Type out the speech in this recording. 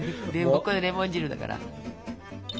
これレモン汁だから。